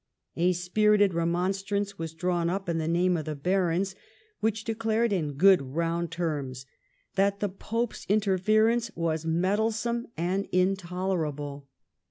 A spirited remonstrance was drawn up in the name of the barons, which declared in good round terms that the pope's interference was meddlesome and intolerable.